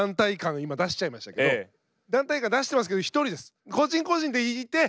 今出しちゃいましたけど団体感出してますけどひとりです。